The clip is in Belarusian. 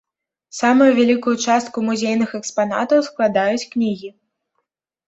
Самую вялікую частку музейных экспанатаў складаюць кнігі.